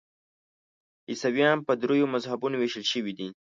عیسویان په دریو مذهبونو ویشل شوي دي.